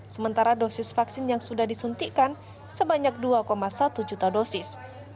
sementara dosis vaksin yang sudah disuntikan sebanyak dua satu juta dosis